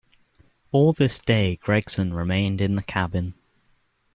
All this day Gregson remained in the cabin.